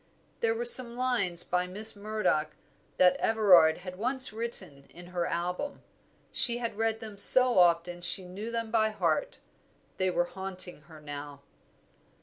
There were some lines by Miss Murdoch that Everard had once written in her album. She had read them so often that she knew them by heart; they were haunting her now.